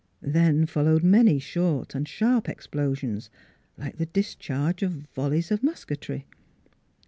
Then followed many short and sharp explosions, like the discharge of volleys of musketry.